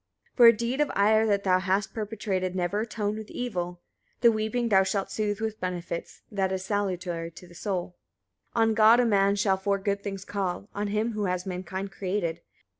26. For a deed of ire that thou hast perpetrated, never atone with evil: the weeping thou shalt soothe with benefits: that is salutary to the soul. 27. On God a man shall for good things call, on him who has mankind created.